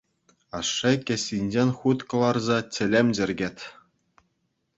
Ашшӗ кӗсйинчен хут кӑларса чӗлӗм чӗркет.